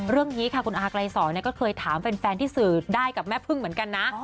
เรื่องนี้ค่ะคุณอาไกลสอนก็เคยถามแฟนที่สื่อได้กับแม่พึ่งเหมือนกันนะ